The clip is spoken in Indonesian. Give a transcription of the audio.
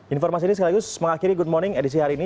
informasi ini sekaligus mengakhiri good morning edisi hari ini